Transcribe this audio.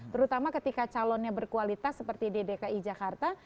terutama ketika calonnya berkualitas seperti di dki jakarta